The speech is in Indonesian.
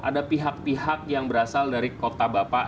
ada pihak pihak yang berasal dari kota bapak